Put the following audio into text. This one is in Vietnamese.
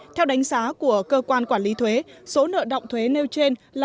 theo đánh giá của cơ quan quản lý thuế số nợ động thuế nêu trên là